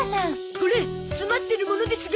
これつまってるものですが。